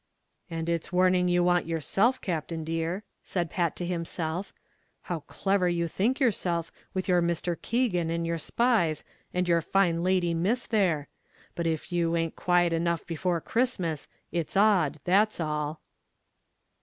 "And it's warning you want yourself, Captain, dear," said Pat to himself; "how clever you think yourself, with your Mr. Keegan and your spies, and your fine lady Miss, there; but if you a'nt quiet enough before Christmas, it's odd, that's all."